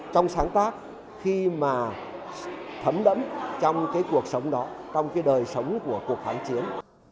trong sáng tác khi mà thấm đẫm trong cuộc sống đó trong đời sống của cuộc kháng chiến